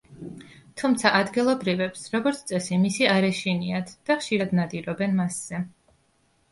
თუმცა ადგილობრივებს, როგორც წესი, მისი არ ეშინიათ და ხშირად ნადირობენ მასზე.